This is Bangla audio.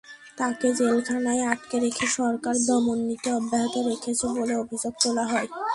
তাঁকে জেলখানায় আটকে রেখে সরকার দমননীতি অব্যাহত রেখেছে বলে অভিযোগ তোলা হয়।